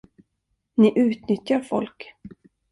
Ni utnyttjar folk.